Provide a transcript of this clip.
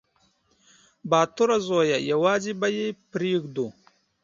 _باتوره زويه! يوازې به يې پرېږدو.